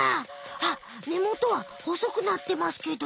あっねもとはほそくなってますけど。